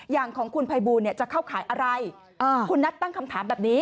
อย่างของคุณภัยบูลจะเข้าขายอะไรคุณนัทตั้งคำถามแบบนี้